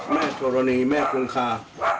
ธรณีแม่คงคา